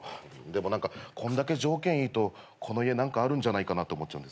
でも何かこんだけ条件いいとこの家何かあるんじゃないかなって思っちゃう。